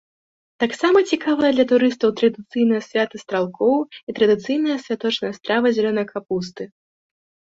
Таксама цікавыя для турыстаў традыцыйныя святы стралкоў і традыцыйная святочная страва з зялёнай капусты.